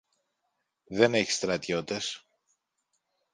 Δεν έχεις στρατιώτες.